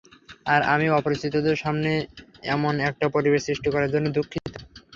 আর আমি অপরিচিতদের সামনে এমন একটা পরিবেশ সৃষ্টি করার জন্য দুঃখিত।